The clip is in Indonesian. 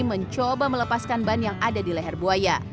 mencoba melepaskan ban yang ada di leher buaya